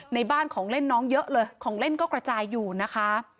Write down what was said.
ในบ้านของเล่นน้องเยอะเลยของเล่นก็กระจายอยู่นะคะ